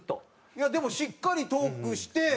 いやでもしっかりトークして。